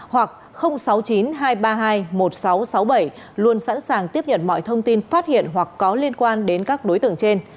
hoặc sáu mươi chín hai trăm ba mươi hai một nghìn sáu trăm sáu mươi bảy luôn sẵn sàng tiếp nhận mọi thông tin phát hiện hoặc có liên quan đến các đối tượng trên